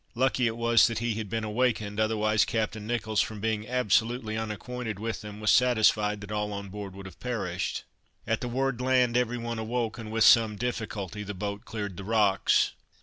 Lucky it was that he had been awakened, otherwise, Captain Nicholls, from being absolutely unacquainted with them, was satisfied that all on board would have perished. At the word land every one awoke, and, with some difficulty, the boat cleared the rocks.